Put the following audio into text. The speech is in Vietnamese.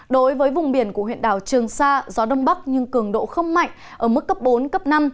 đối với vùng biển của huyện đảo trường sa gió đông bắc nhưng cường độ không mạnh ở mức cấp bốn cấp năm